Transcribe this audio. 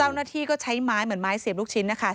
เจ้าหน้าที่ก็ใช้ไม้เหมือนไม้เสียบลูกชิ้นนะคะ